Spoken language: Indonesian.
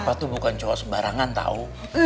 papa tuh bukan cowok sembarangan tau